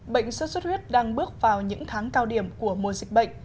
bệnh sốt xuất huyết đang bước vào những tháng cao điểm của mùa dịch bệnh